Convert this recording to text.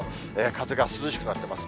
風が涼しくなってます。